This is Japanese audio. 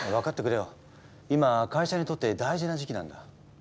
今会社にとって大事な時期なんだ。